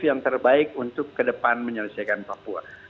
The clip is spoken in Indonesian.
yang terbaik untuk kedepan menyelesaikan papua